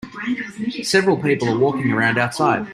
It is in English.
Several people are walking around outside.